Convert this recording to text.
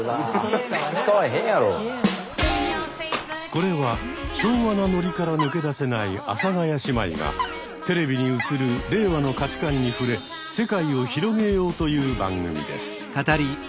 これは昭和なノリから抜け出せない阿佐ヶ谷姉妹がテレビに映る令和の価値観に触れ世界を広げようという番組です。